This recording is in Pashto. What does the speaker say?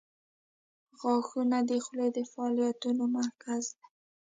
• غاښونه د خولې د فعالیتونو مرکز دي.